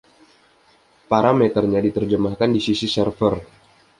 Parameternya diterjemahkan di sisi server